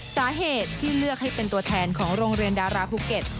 สาเหตุที่เลือกให้เป็นตัวแทนของโรงเรียนดาราภูเก็ต